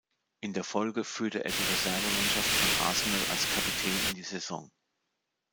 In der Folge führte er die Reserve-Mannschaft von Arsenal als Kapitän in die Saison.